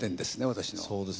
私の。